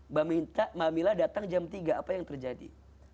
mbak minta mbak mila datang jam tiga apa yang terjadi